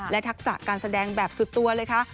และทักษะการแสดงแบบสุดตัวเลยค่ะ